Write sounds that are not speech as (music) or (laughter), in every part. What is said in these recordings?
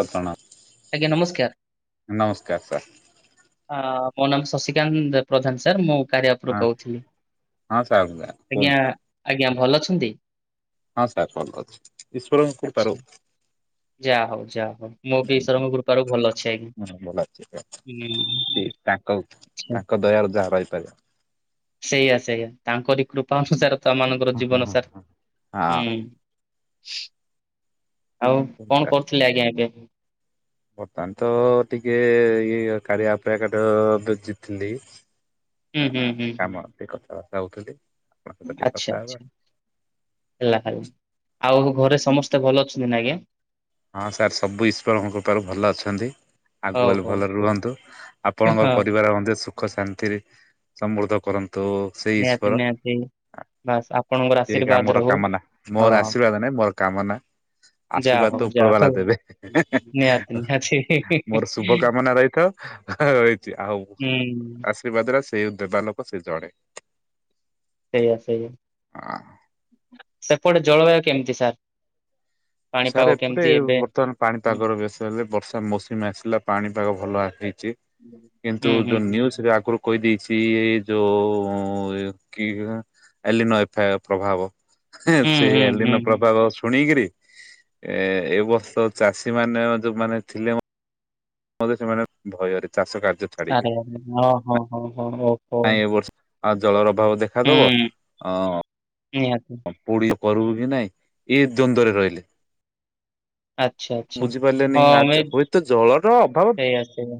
ପଟଣା। ଆଜ୍ଞା ନମସ୍କାର। ନମସ୍କାର ସାର୍। ମୋ ନାମ ଶଶିକାନ୍ତ ପ୍ରଧାନ ସାର୍, ମୁଁ କାରିଆ ଆପ୍ ରୁ ହଁ କହୁଥିଲି। ହଁ ସାର୍ ଆଜ୍ଞା, କୁହନ୍ତୁ ଆଜ୍ଞା ଭଲ ଅଛନ୍ତି? ହଁ ସାର୍ ଭଲ ଅଛି ଇଶ୍ବରଙ୍କ କୁପାରୁ। ଯା ହଉ ଯା ହଉ, ମୁଁ ବି ଇଶ୍ୱରଙ୍କ କୃପାରୁ ଭଲ ଅଛି ଆଜ୍ଞା। ଠିକ୍ ଅଛି। ହୁଁ। ସେ ତାଙ୍କ ଆଚ୍ଛା ତାଙ୍କ ଦୟାରୁ ଯାହା ରହିପାରିବ। ସେଇଆ ସେଇଆ ତାଙ୍କରି କୃପା ଅନୁସାର ତ ଆମ ମାନଙ୍କର ହଁ ଜୀବନ ସାର ହୁଁ, ଆଉ କଣ କରୁଥିଲେ ଆଜ୍ଞା ଏବେ? ବର୍ତ୍ତମାନ ତ ଟିକେ ଇଏ କାରିୟା ଆପ୍ ରେ ଏକା ତ ବିଜିି ଥିଲି। ହୁଁ ଅ, ହୁଁ ଆ ହୁଁ ହୁଁ କାମ ଟିକେ କଥାବାର୍ତ୍ତା ହଉଥିଲି। ଆପଣଙ୍କ ସହିତ ଟିକେ କଥା ଆଚ୍ଛା, ହେବା ଆଚ୍ଛା। ହେଲା (unintelligible) ଆଉ ଘରେ ସମସ୍ତେ ଭଲ ଅଛନ୍ତି ନା ଆଜ୍ଞା? ହଁ ସାର୍ ସବୁ ଈଶ୍ୱରଙ୍କ କୃପାରୁ ଭଲ ଅଛନ୍ତି। ଆଗୁ ହଉ ହେଲୁ ହଉ ଭଲରେ ହଉ ରୁହନ୍ତୁ, ଆପଣଙ୍କ ହଁ ପରିବାର ମଧ୍ୟ ସୁ ଖ ଶାନ୍ତି ରେ ସମୃଦ୍ଧ କରନ୍ତୁ। ନିହାତି, ନିହାତି। ଆ, ବାସ୍ ଆପଣଙ୍କର ଏତି ଏକା ଆଶୀର୍ବାଦ ଆମର ରହୁ କାମନା, ହଁ। ମୋର ଆଶୀର୍ବାଦ ନାଇଁ, ମୋର କାମନା। ଯାହା ଆଶୀର୍ବାଦ ତ ହଉ ଯାହା ଉପରବା ଲା ହଉ ଦେବେ ନିହାତି ନିହାତି ମୋର ଶୁଭ କାମନା ରହିଥାଉ। ହୋ ରଇ ଚି, ଆଉ ହୁଁ। ଆଶୀର୍ବାଦ ଟା ସେ ଦେବା ଲୋକ ସେ ଜଣେ। ସେଇଆ ସେଇଆ। ସେପଟେ ଜଳବାୟୁ କେମିତି ସାର୍? ସାର୍ ପାଣିପାଗ ଏପଟେ କେମିତି ଏବେ ବର୍ତ୍ତମାନ ହୁଁ ପାଣିପାଗର ବେଶି ତ ଏବେ ବର୍ଷା ମୌସୁମି ଆସିଲା ପାଣିପାଗ ଭଲ ଆସିଛି। କିନ୍ତୁ ହୁଁ ହୁଁ ଯୋଉ ନିୟୁଜ୍ ରେ ଆଗୁରୁ କହିଦେଇଛି ଏ ଯୋ ଅ, ଏ କିହା ଏଲିନୋ ଏଫେ ପ୍ରଭାବ। ହୁଁ ହେଁ ସେ ହୁଁ ହୁଁ ଏଲିନେ ହୁଁ। ପ୍ରଭାବ ଶୁଣିକିରି ଏ ଏ ବର୍ଷ ଚାଷୀ ମାନେ ଅ, ଯୋଉ ମାନ ଥିଲେ ମ ମଧ୍ୟ ସେମାନେ ଭୟରେ ଚାଷ କାର୍ଯ୍ୟ ଛାଡିକି ଆରେ ହଁ, ହଁ, ହଁ, ହଁ ହଉ। ନାଇଁ ଏ ବର୍ଷ ଆ, ଜଳର ଅଭାବ ଦେଖାଦବ। ହୁଁ ଅ, ନିହାତି। ହଁ ପୋଡିଅ କରୁବି ନାଇଁ ଇଏ ଦ୍ଵନ୍ଦରେ ରହିଲେ। ଆଚ୍ଛା। ଆଚ୍ଛା। ବୁଝିପାରିଲେନି, ହଁ ମେ ଆଜ ହୁଏତ ଜଳର ଅଭାବ ସେଇଆ ସେଇଆ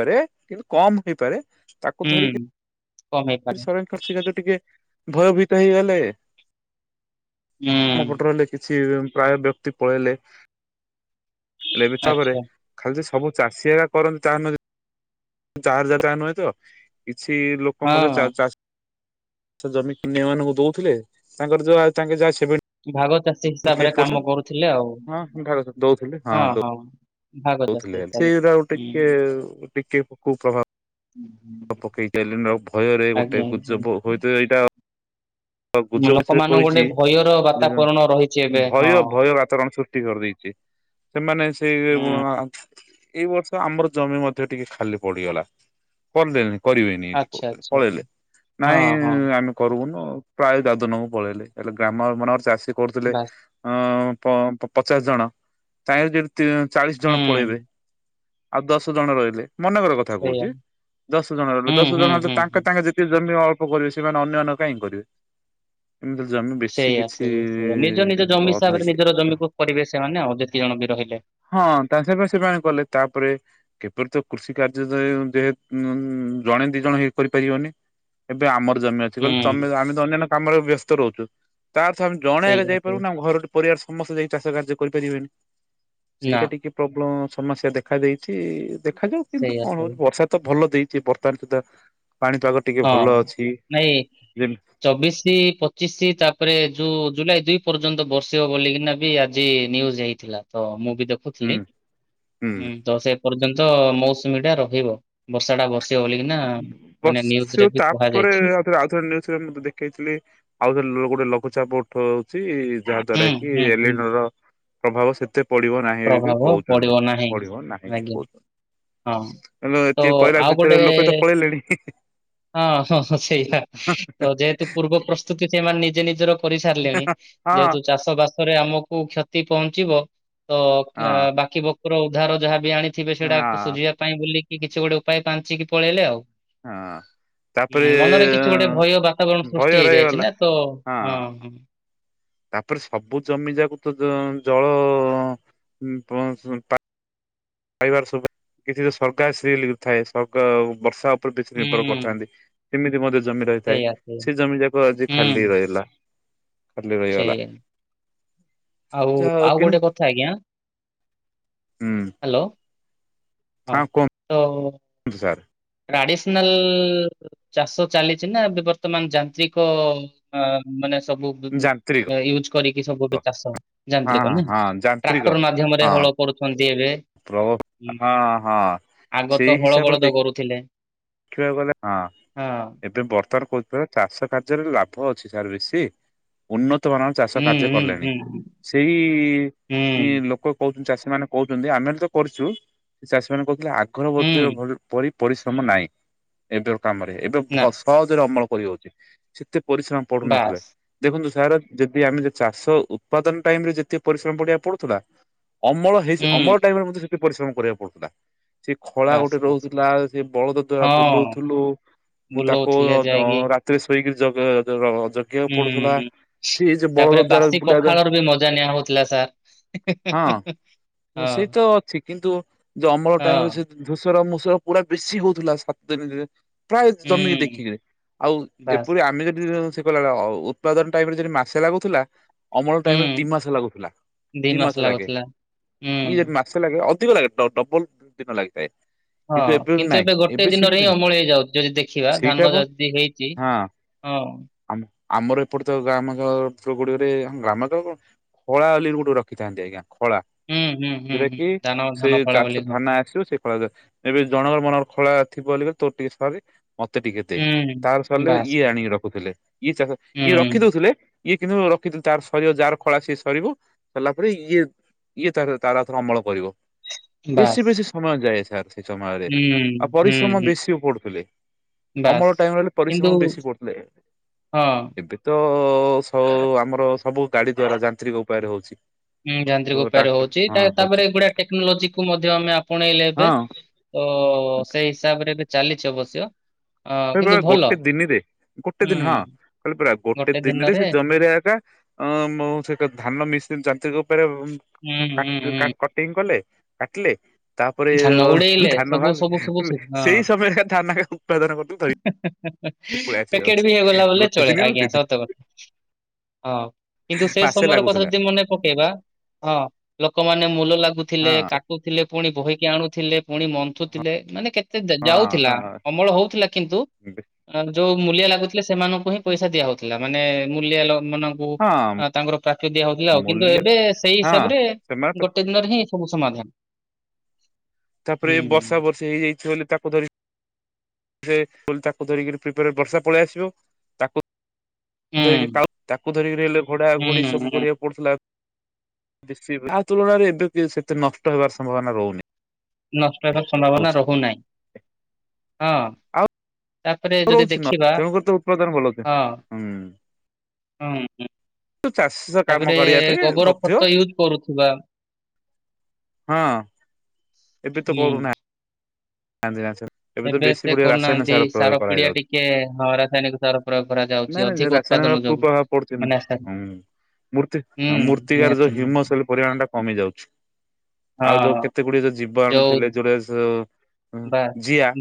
ପାରେ କିନ୍ତୁ କମ ହେଇପାରେ ତାକୁ ହୁଁ ଧରିକି କମେଇପାରେ ସବେ (unintelligible) ତ ଟିକେ ଭୟଭୀତ ହେଇଗଲେ। ହୁଁ ଆମ ପଟରେ ହେଲେ କିଛି ପ୍ରାୟ ବ୍ୟକ୍ତି ପଳେଇଲେ। ହେଲେ ବି ତା ପରେ ଆଚ୍ଛା। ଖାଲି ଯେ ସବୁ ଚାଷୀ ଏକା କରନ୍ତି ତାହା ନୁହେଁ, (inaudible) ଯାର ଯା ତାହା ନୁହେଁ ତ, କିଛି ଲୋ କ ହଁ ମୋତେ ଚା-ଚାଷ ସେ ଜମି ଅନ୍ୟ ମାନଙ୍କୁ ଦଉଥିଲେ। ତାଙ୍କର ଯଆ ତାଙ୍କ ଯାହା ସେଭେ ଭାଗ ଚାଷୀ ହିସାବରେ କାମ କରୁଥିଲେ ଆଉ। ହଁ ଭାଗ ହଁ, ହଁ। ଭାଗ ଚାଷୀ ହିସାବରେ ସେଇରା ଆଉ ହୁଁ ଟିକେ ଟିକେ କୁପ୍ରଭାବ ପକେଇକି ଆଇଲୁନୁ ନ ଭୟରେ ଗୋଟେ ଆଜ୍ଞା ଆଜ୍ଞା। ଗୁଜବ ହୁଏତ ଏଇଟା ତ ଗୁଜବଛରେ ଲୋକମାନଙ୍କୁ ଗୋଟେ କହିଛି ଭୟର ଯେ ବାତାବରଣ ରହିଛି ଏବେ ହଁ। ଭୟ ଭୟ ବାତାବରଣ ସୃଷ୍ଟି କରିଦେଇଛି। ସେମାନେ ସେଇ ହୁଁ ଏଇ ବର୍ଷ ଆମର ଜମି ମଧ୍ୟ ଟିକେ ଖାଲି ପଡିଗଲା, କରିଦେନି। କରିବେନି ଏଠି ଆଚ୍ଛା କହୁଛନ୍ତି, ଆଚ୍ଛା ଆଚ୍ଛା ପଳେଇଲେ ନାଇଁ ହଁ ହଁ ଆମେ କରୁବୁନୁ ପ୍ରାୟ ଦାଦନକୁ ପଳେଇଲେ, ହେଲେ ଗ୍ରାମ ମାନରେ ଚାଷୀ କରୁଥିଲେ। ବାସ୍ ହଁ ପ ପଚାଶ ଜଣ ତାଇବି ଯଦି ଚାଳିଶ ଜଣ ପଳେଇବେ। ହୁଁ। ଆଉ ଦଶ ଜଣ ରହିଲେ, ମନେକର କଥା ସେଇଆ କହୁଛି, ଦଶ ଜଣ ରୁ ହୁଁ ଦଶ ହୁଁ ଜଣ ତ ହୁଁ ତାଙ୍କେ ହୁଁ। ତାଙ୍କେ ଯେ ସିଏ ଜମି ଅଳ୍ପ କରିବେ, ସେମାନେ ଅନ୍ୟ ମାନକର କାହିଁ କରିବେ? ଏମିତି ଜମି ବେଶୀ ସେଇଆ କିଛି ସେଇଆ ସେଇଆ ନିଜ ନିଜ ଜମି ବନ୍ଦ ହିସାବରେ ନିଜର ହେଇଯାଇଛି। ଜମିକୁ କରିବେ ସେମାନେ ଆଉ ଯେତେ ଜଣ ବି ରହିଲେ। ହଁ ତା ଚାଷ ବି ସେମାନେ କଲେ ତାପରେ କେପରି ତ କୃଷି କାର୍ଯ୍ୟ ଯେହେ ଜଣେ ଦି ଜଣ ହେଇ କରିପାରିବନି। ଏବେ ଆମର ଜମି ଅଛି। ହୁଁ ତମେ ଆମେ ତ ଅନ୍ୟନ୍ୟ କାମରେ ବ୍ୟସ୍ତ ରହୁଛୁ ତା ଅର୍ଥ ଆମେ ଜଣେ ହେଲେ ସେଇଆ ଯାଇପାରିବୁ ସେଇଆ ନା ଆମ ଘରେ ପରିବାର ସମସ୍ତେ ଯାଇ ଚାଷ କାର୍ଯ୍ୟ କରିପାରିବାନି ନା ସେଇଟା ଟିକେ ପ୍ରୋବ୍ଲେମ ସମସ୍ୟା ଦେଖାଦେଇଛି, ଦେଖାଯାଉ କିନ୍ତୁ ସେଇଆ କଣ ସେଇଆ ହଉଛି ବର୍ଷା ତ ଭଲ ଦେଇଛି ବର୍ତ୍ତମାନ ସୁଦ୍ଧା ପାଣିପାଗ ଟିକେ ହଁ। ଭଲ ଅଛି। ନାଇଁ ଚବିଶି, ପଚିଶି ତାପରେ ଯୋଉ ଜୁଲାଇ ଦୁଇ ପର୍ଯ୍ୟନ୍ତ ବର୍ଷିବ ବୋଲି ବି ଆଜି ନିୟୁଜ ହେଇଛି। ଥିଲା ତ ମୁଁ ବି ଦେଖ ଥିଲି ହୁଁ ହୁଁ ତ ସେ ପର୍ଯ୍ୟନ୍ତ ମୌସୁମୀ ଟା ରହିବ ବର୍ଷା ଟା ବର୍ଷ ବୋଲି କି ନା ମାନେ ନି ୟୁ ସେଉ ତାପରେ, ଆଉ ଥରେ ନିୟୁ ମୁ ଦେଖେଇଥିଲି ଆଉ ଗୋଟେ ଲଘୁଚାପ ଉଠ ହଉଛି। ଯାହା ହୁଁ ଦ୍ଵାରା କି ହୁଁ ହୁଁ ଏଲେନ ର ପ୍ରଭାବ ସେତେ ପଡିବ ନାହିଁ ବୋଲି କିରି ପ୍ରଭାବ ପଡିବ କହୁଛନ୍ତି, ନାହିଁ। ପଡିବ ନାହିଁ ଆଜ୍ଞା କହୁଛନ୍ତି। ହଁ ତ ଏତିକି କହିଲା ଆଉ ଭିତରେ ଗୋଟେ ଲୋକ ତ ପଳେଇଲେଣି। ହଁ ହଁ ହଁ ସେଇଆ ତ ଯେହେତୁ ପୂର୍ବ ପ୍ରସ୍ତୁତି ସେମାନେ ନିଜେ ନିଜର କରିସାରିଲେଣି, ହଁ ଯେହେତୁ ଚାଷ ବାସ ପରେ ଆମକୁ କ୍ଷତି ପହଞ୍ଚିବ ତ ହଁ ଏ ବାକି ବକୁର ଉଦ୍ଧାର ଯାହା ବି ଆଣି ଥିବେ ସେଟା ହଁ ସୁଝିବା ପାଇଁ ବୁଲିକି କିଛି ଗୋଟେ ଉପାୟ ପାଞ୍ଚିକି ପଳେଇଲେ ଆଉ। ହଁ। ହୁଁ, ତାପରେ ମନରେ କିଛି ଗୋଟେ ଭୟ ବାତାବରଣ ସୃଷ୍ଟି ଭୟ ହେଇଯାଇଛି ରହିଗଲା ନା ତ ହଁ। ହଁ। ତାପରେ ସବୁ ଜମି ଯାକ ତ ଜଳ ପାଇବାର (unintelligible) ସରକାର ସିଲ ବର୍ଷା ଉପରେ ବେଶୀ ନିର୍ଭର ହୁଁ କରିଥାନ୍ତି। ସେମିତି ମଧ୍ୟ ଜମି ରହିଥାଏ, ସେଇଆ ସେଇଆ ସେ ଜମି ଯାକ ଆଜି ଖାଲି ହୁଁ ରହିଲା। ଖାଲି ରହିଗଲା। ସେଇଆ ଆଉ ଯାହା ଆଉ କିନ୍ତୁ ଗୋଟେ କଥା ଆଜ୍ଞା। ହୁଁ। ହ୍ୟାଲୋ ହଁ ତ। ଆନ୍ତୁ ସାର୍। ଟ୍ରାଡିସନାଲ ଚାଷ ଚାଲିଛି ନା ଏବେ ବର୍ତ୍ତମାନ ଯାନ୍ତ୍ରିକ ଅ ମାନେ ସବୁ ଯାନ୍ତ୍ରିକ ୟୁଜ କରିକି ସବୁ ଏବେ ଚାଷ ହଁ ଯାନ୍ତ୍ରିକ କ ହଁ ନାଇ ହଁ ଯାନ୍ତ୍ରିକ ଟ୍ରାକ୍ଟର ମାଧ୍ୟମରେ ହଁ ହଳ କରୁଛନ୍ତି ଏବେ ପ୍ର ହଁ ହଁ। ଆଗ ସେଇ ତ ହଳ ହିସାବରେ ବଳଦ କରୁଥିଲେ। ଦେଖିବାକୁ ଗଲେ ହଁ ହଁ ଏବେ ବର୍ତ୍ତମାନ କଛି ବା ଚାଷ କାର୍ଯ୍ୟରେ ଲାଭ ଅଛି ସାର୍ ବେଶୀ। ଉନ୍ନତ ମାନର ଚାଷ ହୁଁ କାର୍ଯ୍ୟ ହୁଁ କଲେଣି, ହୁଁ ସେଇ ହୁଁ ଲୋକ କହୁଛନ୍ତି ଚାଷୀ ମାନେ କହୁଛନ୍ତି ଆମେ ତ କରିଛୁ ସେ ଚାଷୀ ମାନେ କହୁଥିଲେ ଆଗର ମଧ୍ୟ ହୁଁ ଭ ପରି ପରିଶ୍ରମ ନାହିଁ। ଏବେ ର କାମରେ ଏବେ ନା ସହଜରେ ଅମଳ କରି ଯାଉଛି ସେତେ ପରିଶ୍ରମ ପଡୁନଥିଲେ। ବାସ୍ ଦେଖନ୍ତୁ ସାର୍ ଯଦି ଆମେ ଚାଷ ଉତ୍ପାଦନ ଟାଇମରେ ଯେତକି ପରିଶ୍ରମ ପଡ଼ିବାକୁ ପଡୁଥିଲା ଅମଳ ସେ ହୁଁ ଅମଳ ଟାଇମ ରେ ମଧ୍ୟ ସେଠି ପରିଶ୍ରମ କରିବାକୁ ପଡୁଥିଲା, ସେ ଖଳା ବାସ୍ ଗୋଟେ ବାସ୍ ରହୁଥିଲା, ସେ ବଳଦ ହଁ ବୁଲଉଥିଲୁ, ତାକୁ ବୁଲଉଥିଲେ ଯାଇକି ଅ ରାତିରେ ଶୋଇକି ଯ ଜଗିବାକୁ ପଡୁଥିଲା, ହୁଁ। (unintelligible) ବଳଦ ତାପରେ ବାସି ଦ୍ୱାରା ବୁଲାଇବା ପଖାଳର ବି ମଜା ନିଆ ହଉଥିଲା ସାର୍। ହଁ ସେଇ ତ ହଁ ଅଛି କିନ୍ତୁ ଅମଳ ଟାଇମ ରେ ହଁ ସେ ଧୁସର ମୁସର ପୁରା ବେଶୀ ହଉଥିଲା ସାତ ଦିନରେ ପ୍ରାୟ ଜମିକି ହୁଁ ଦେଖିକିରି, ଆଉ ବାସ୍ ଏପରି ଆମେ ଯଦି ଉତ୍ପାଦନ ଟାଇମ ରେ ଯଦି ମାସେ ଲାଗୁଥିଲା ଅମଳ ହୁଁ ଟାଇମ ରେ ଦି ମାସ ଲାଗୁଥିଲା, ଦି ମାସ ଲାଗେ, ଇ ଯଦି ମା ଖୁସି ଲାଗେ, ଅଧିକ ଲାଗେ, ଡବଲ ଦି ଦିନ ଲାଗିଥାଏ। ହଁ, କିନ୍ତୁ ଏବେ ଗୋ ଗୋଟେ ଦିନରେ ହିଁ ଅମଳ ହେଇଯାଉଛି, ଯଦି ଦେଖିବା, ସେଇଟା ଧାନ ବା ଯଦି ହେଇଛି ହଁ। ଆମ ଆମର ଏପଟେ ତ ଗ୍ରାମାଞ୍ଚଳ ଗୁଡିକରେ ଗ୍ରାମାଳ କ ଖଳା ବୋଲି ଗୋଟେ ରଖିଥାନ୍ତି ଆଜ୍ଞା, ଖଳା, ହୁଁ ହୁଁ ହୁଁ ଯଉଟା ହୁଁ କି ଧାନ ସେ ଧାନ ଫଳା ଚାଷ ବୋଲି ହଁ ଧାନ ଆସିବ ସେ କରାଯାଏ, ଏବେ ଜଣଙ୍କର ମନେକର ଖଳା ଥିବ ବୋଲି ତୋ ଟିକେ ସରି ମତେ ଟିକେ ଦେ, ହୁଁ ତାର ସରିଲେ ବାସ୍ ଇଏ ଆଣିକି ରଖୁଥିଲେ, ଇଏ ଚାଷ, ଇଏ ହୁଁ ରଖି ଦଉଥିଲେ ଇଏ କିନ୍ତୁ ରଖିଦ, ତାର ସରିବ ଯାହାର ଖଳା ସିଏ ସରିବ, ସରିଲା ପରେ ଇଏ ଇଏ ତାର ତାର ଆଉ ଥରେ ଅମଳ କରିବ, ବେଶୀ ବାସ୍ ବେଶୀ ସମୟ ଯାଏ ସାର୍ ସେଇ ସମୟରେ। ହୁଁ ଉଁ। ଆଉ ପରିଶ୍ରମ ବେଶୀ ପଡୁଥିଲେ, ବାସ୍ ଅମଳ ଟାଇମ ହେଲେ କିନ୍ତୁ ପରିଶ୍ରମ ବେଶୀ ପଡୁଥିଲେ। ହଁ ଏବେ ତ ସ ଆମର ସବୁ ଗାଡି ଦ୍ଵାରା ଯାନ୍ତ୍ରିକ ଉପାୟରେ ହଉଛି। ଉଁ ଯାନ୍ତ୍ରିକ ଉପାୟରେ ଟ୍ରାକ୍ଟର ହଉଛି, ହଁ ତା ହଉଛି ତାପରେ ଏଗୁଡା ଟେକ୍ନୋଲୋଜି କୁ ମଧ୍ୟ ଆମେ ଆପଣେଇଲେ ଏବେ। ହଁ। ତ ସେଇ ହିସାବରେ ଏବେ ଚାଲିଛି ଅବଶ୍ୟ। ଅ କହିଲ ପ କିନ୍ତୁ ଭଲ। ଗୋଟେ ଦିନରେ, ଗୋଟେ ହୁଁ ଦିନ ହଁ, କହିଲପରା ଗୋଟେ ଦିନରେ ସେ ଜମିରେ ଏକା ଅ ମୋ ସହିତ ଧାନ ମିସିନି ଯାନ୍ତ୍ରିକ ଉପରେ ହୁଁ ହୁଁ ହୁଁ। କଟିଂ କଲେ କାଟିଲେ। ତାପରେ ଧାନ ଉଡେଇଲେ ଧାନ ସବୁ ବାହାରିଲେ, ସବୁ ସବୁ ସେ ସେଇ ସମୟ ଧାନ ଉତ୍ପାଦନ କର। ହେଁ ହେଁ ହେଁ, ପ୍ୟାକେଟ ବି ହେଇଗଲା ବୋ ଗୋଟେ ଚଳେ ଦିନରୁ ଆଜ୍ଞା ଦି ଦିନ ସତ। ହଁ କିନ୍ତୁ ସେ ମାସେ ସମୟର କଥା ଲାଗୁଥିଲା ଯଦି ମନେ ପକେଇବା ହଁ ଲୋକମାନେ ମୁୂଲ ଲାଗୁଥିଲେ, ହଁ କାଟୁଥିଲେ, ପୁଣି ବହି ଆଣୁଥିଲେ, ପୁଣି ମନ୍ଥୁଥିଲେ, ମାନେ କେତେ ଯାଉଥିଲା ହଁ ଅମଳ ହଉଥିଲା କିନ୍ତୁ ଯୋଉ ମୂଲିଆ ଲାଗୁଥିଲେ ସେମାନଙ୍କୁ ହିଁ ପଇସା ଦିଆ ହଉଥିଲା, ମାନେ ମୂଲଆ ମାନ - ଓ, ହଁ ତାଙ୍କର ପ୍ରାପ୍ୟ ଦିଆ ହଉଥିଲା ଆଉ କିନ୍ତୁ ମୂଲ୍ୟ ଏବେ ସେଇ ହଁ ହିସାବରେ ସେମାନେ ଗୋଟେ ଦିନରେ ହିଁ ସବୁ ସମାଧାନ। ତାପରେ ହୁଁ। ବର୍ଷା ବର୍ଷେ ହେଇଯାଇଛି ବୋଲି ତାକୁ ଧରି ସେ କ ତାକୁ ଧରିକିରି ଫ୍ରୀବରେ ବର୍ଷା ପଳେଇ ଆସିବ। ତାକୁ ହୁଁ ଧରିକି କାଉ ତାକୁ ଧରିକି ଗଲେ ଘୋଡା ହୁଁ ଘୋଡି ସବୁ ହୁଁ କରିବାକୁ କଉଠିଥିଲା, କିଛି ବି ତା ତୁଳନାରେ ଏବେ ବି ସେତେ ନଷ୍ଟ ହେବାର ସମ୍ଭାବନା ରହୁନି। ନଷ୍ଟ ହେବାର ସମ୍ଭାବନା ରହୁଛି ରହୁନାହିଁ, ଆଉ ହଁ। ତାପରେ ଯଦି ରହୁଛି ନ ଦେଖିବା, ତେଣୁକରି ତ ଉତ୍ପାଦନ ଭଲ ହଉଛି। ହଁ। ହଁ ହୁଁ। ତୁ ଚାଷି ତାପରେ ଗୋବର ଖତ ୟୁଜ କରୁଥିବା ହଁ ଏବେ ତ ହୁଁ କରୁନା (unintelligible) ଏବେ ଏତେ କରୁନାହାନ୍ତି, ସାର ପିଡିଆ ଟିକେ ହଁ ରାସାୟନିକ ସାର। ପ୍ରୟୋଗ କରାଯାଉଛି ନାଇଁ ନାଇଁ ଅଧିକ ଉତ୍ପାଦନ ରାସାୟନିକ କୁ ଯୋଗୁ ପ୍ରଭାବ ପଡୁଛି, ମାନେ ଆଶା- ହୁଁ। ମୂର୍ତ୍ତି, ହୁଁ ମୂର୍ତ୍ତିକାର ନିହାତି ଯେଉଁ ନିହାତି। ହିମସ ପରିମାଣ ଟା କମି ଯାଉଛି, ଆଉ ଯୋଉ ହଁ କେତେ ଗୁଡିଏ ଯୋଉ ଜୀବାଣୁ ଯୋଉ ଥିଲେ, ଯୋଉଟା ସୋ ହୁଁ ବା ଜିଆ,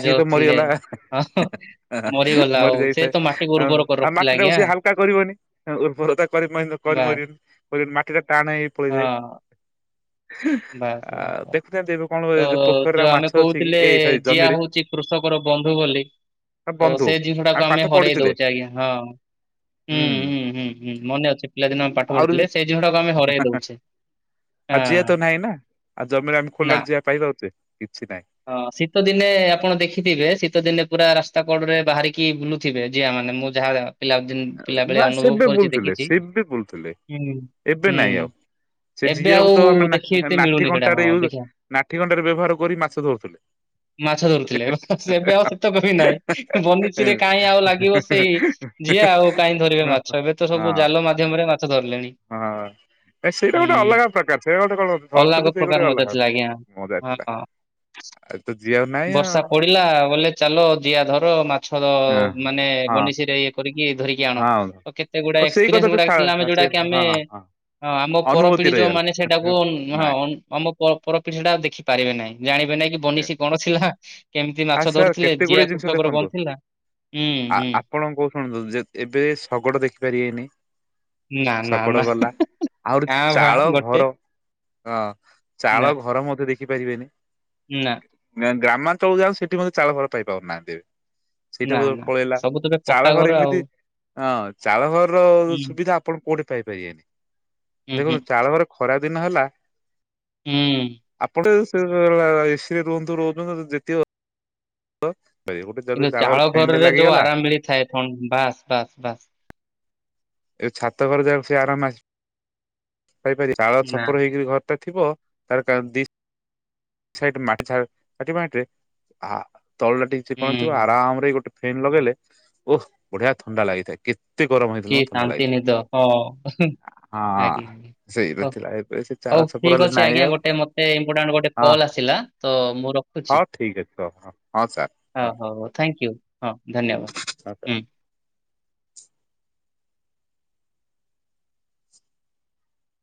ସିଏ ଯୋଉ ତ ଥିଲେ ମରିଗଲା, ହଁ (unintelligible) ମରିଗଲା ମରି ଆଉ ସେ ଯାଇଥାଏ। ତ ମାଟିକୁ ଉର୍ବର କରି ଆଉ ରଖିଥିଲା ମାଟି ଟାକୁ ଆଜ୍ଞା ସିଏ ହାଲକା କରିବନି ଉର୍ବର ତା କରି ମଇଦ କରି ବାସ୍ ମାରିବନି। (unintelligible) ମାଟି ଟା ଟାଣ ହେଇ ପଡିଥାଏ। ହଁ ହୁଁ ବାସ୍ ବାସ୍ ଆ ବାସ୍। ଦେଖୁଥା ଦେବୁ ତ ଯୋଉ ଆମେ କହୁଥିଲେ ସରି ଜିଆ ଜମିରେ ହଉଛି କୃଷକର ବନ୍ଧୁ ବୋଲି। ନା ତ ବନ୍ଧୁ। ସେଇ ଜିନିଷଟା କୁ ପାଠ ଆମେ ହରେଇ ପଢିଥିଲେ ଦଉଛେ ଆଜ୍ଞା ହଁ। ହୁଁ ହୁଁ ହୁଁ ହୁଁ ମନେ ଅଛି ପିଲାଦିନ ଆମେ ଆହୁରି ବି ପାଠପଡୁଥିଲେ ସେଇ ଜିନିଟାକୁ ଆମେ ହରେଇ ଦଉଛେ। ଆଉ ଜିଆ ହଁ ତ ନାହିଁ ନା ଆଉ ଜମିରେ ଆମେ ନା ଖୋଲାରେ ଜିଆ ପାଇ ପାରୁଛେ କିଛି ନାହିଁ। ହଁ ଶୀତ ଦିନେ ଆପଣ ଦେଖିଥିବେ ଶୀତ ଦିନେ ପୁରା ରାସ୍ତା କଡ ରେ ବାହାରିକି ବୁଲୁ ଥିବେ ଯିଆ ମାନେ ମୁଁ ଯାହା ପିଲା ପିଲା ବେଳେ ବାସ୍ ଅନୁଭବ ସେବେ କରିଛି ବୁଲୁଥିଲେ ଦେଖିଛି ସେବେ ବୁଲୁଥିଲେ ହୁଁ ଏବେ ହୁଁ ନାଇଁ ଆଉ। ସେ ଏବେ ଆଉ ଯିଆକୁ ତ ଦେଖି ମାନେ ଏତେ ମିଳୁନି ନାଠି ସେଟା କଣ୍ଟାରେ ହଁ ୟୁ ଦେଖିବା ନାଠି କଣ୍ଟାରେ ବ୍ୟବହାର କରି ମାଛ ଧରୁଥିଲେ। ମାଛ ଧରୁଥିଲେ ଏବେ ଆଉ ସେତକ ବି ନାହିଁ ବନିଚିରେ କାହିଁ ଆଉ ଲାଗିବ ସେଇ ଯିଆ ଆଉ କାହିଁ ଧରିବେ ମାଛ ଏବେ ତ ସବୁ ହଁ। ଜାଲ ମାଧ୍ୟମରେ ମାଛ ଧରିଲେଣି। ହଁ ସେଇଟା ଗୋଟେ ହୁଁ ଅଲଗା ପ୍ରକାର ସେ ଗୋଟେ କଣ ଅଲଗା ଧରୁଥିଲେ ସେଇ ପ୍ରକାର ଗୋଟେ ମଜା ଅଲଗା ଥିଲା ଆଜ୍ଞା ମଜା। ହଁ। ସେ ତ ଯିଆ ଆଉ ନା ବର୍ଷା ପଡିଲା ବୋଲେ ଚାଲ ଜିଆ ଧର ମାଛ ହଁ ମାନେ ହଁ ବନିଶି ଇଏ କରିକି ଧରିକି ଆଣ ହଁ ତ କେତେ ଗୁଡା ଓ ସେଇ ଏକ୍ସପିରିଏନ୍ସ କଥା ତ ଗୁଡା ଶା ଥିଲା ଆମେ ସେ ଯୋଉଟା କି ହଁ ଆମେ ହଁ ହଁ ହଁ ଆମ ଅନୁଭୂତି ପରପିଢି ରହିଗଲା ଯୋଉମାନେ ସେଇଟାକୁ ହଁ ନାଇଁ। ଅ ଆମ ପ ପରପିଢ଼ି ସେଟା ଦେଖି ପାରିବେ ନାହିଁ ଜାଣିବେ ନାଇଁ କି ବନିଶୀ କଣ ଥିଲା। କେମିତି ଆ ମାଛ ସାର୍ ଧରୁଥିଲେ କେତେ ଗୁଡଏ ଜିଆ ଜିନିଷ କୃଷକର ଦେଖନ୍ତୁ ବନ୍ଥିଲା। ଆ ଆପଣ କୋଉ ଶୁଣନ୍ତୁ ଯେ ଏବେ ଶଗଡ଼ ଦେଖିପାରିବେନି। ନା ନା ଶଗଡ ନା ଗଲା ଆହୁରି କାଁ ଭା ଚାଳ ଗୋଟେ ଘର ହଁ ଚାଳ ଘର ମଧ୍ୟ ଦେଖିପାରିବେନି। ନାଁ। ଗ୍ରାମାଞ୍ଚଳକୁ ଯାଆନ୍ତୁ ସେଠି ମଧ୍ୟ ଚାଳ ଘର ପାଇ ପାରୁନାହାଁନ୍ତି ଏବେ। ସେଇଟା ନା ବ ନା ପଳେଇଲା ସବୁ ତ ଏବେ ପକ୍କା ଚାଳ ଘର ଆଉ ଏମିତି ହଁ ଚାଳ ଘରର ହୁଁ ସୁବିଧା ଆପଣ କୋଉଠି ପାଇପାରିବେନି ହୁଁ ହୁଁ ଦେଖନ୍ତୁ ଚାଳ ଘର ଖରା ଦିନ ହେଲା ହୁଁ। ଆପଣ (unintelligible) ଏସି ରେ ରୁହନ୍ତୁ ରୁହନ୍ତୁ ଯେତିକି ଗୋଟେ ଯଦି କିନ୍ତୁ ଚାଳଘରେ ଚାଳ ଫ୍ୟାନ୍ ଟେ ଘରରେ ଯୋଉ ଲାଗିଗଲା ଆରାମ ମିଳିଥାଏ ଥ ବାସ୍ ବାସ୍ ବାସ୍। ଏ ଛାତ ଘର ଯାକ ସେ ଆରାମ ଆସ ପାଇପାରିବେ ଚାଳ ନା ଛପର ହେଇକରି ଘରଟା ଥିବ କାର କାର ଦି ସାଇଟ୍ ମାଟି ଛା ଝାଟିମାଟିରେ ଆ ତଳ ଟା ଟିକେ ଚିକଣ ଥିବ ହୁଁ। ଆରାମ ରେ ଗୋଟେ ଫେନ୍ ଲଗେଇଲେ ଓହ ବଢିଆ ଥଣ୍ଡା ଲାଗିଥାଏ କେ ତେ ଗରମ୍ ହେ କି ଶାନ୍ତି ନିଦ ହଁ ହୁଁ। ହଁ। ଆଜ୍ଞା ଆଜ୍ଞା ସେଇଟା ହଉ ଥିଲା ଏବେ ସେ ଚାଳ ହଉ ଛପର ଠିକ୍ ହେଲେ ଅଛି ନାହିଁ ଆଜ୍ଞା ଆଉ ଗୋଟେ ମତେ ଇପୋଟାଣ୍ଟ ଗୋଟେ ହଁ କଲ୍ ଆସିଲା ତ ମୁଁ ରଖୁଛି। ହଉ ଠିକ୍ ଅଛି ହଉ ହଁ ହଁ ସାର୍ ହଉ ଧନ୍ୟ ହଉ ହଉ ଥ୍ୟାଙ୍କୟୁ ହଁ ଧନ୍ୟବାଦ। ଆତେ ହୁଁ।